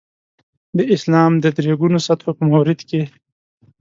د اسلام د درې ګونو سطحو په مورد کې.